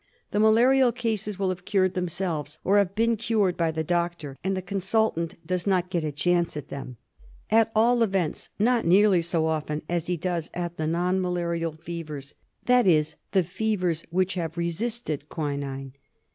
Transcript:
The malarial cases will have cured themselves or have been cured by the doctor, and the consultant does not get a chance at them ; at all events not nearly so often as he does at the non malarial fevers — that is, the fevers which have resisted quinine.